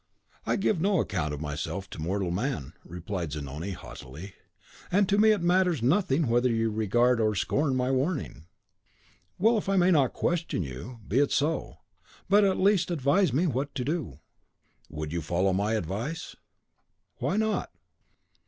"I give no account of myself to mortal man," replied Zanoni, haughtily; "and to me it matters nothing whether you regard or scorn my warning." "Well, if I may not question you, be it so; but at least advise me what to do." "Would you follow my advice?" "Why not?"